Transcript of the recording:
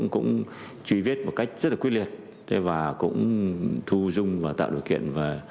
cũng truy vết một cách rất là quyết liệt và cũng thu dung và tạo điều kiện